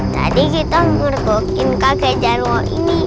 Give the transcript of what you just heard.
tadi kita ngurdukin kakek jarwo ini